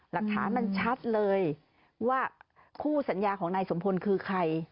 หลักฐานมันชัดเลยว่าคู่สัญญาของนายสมพลคือใคร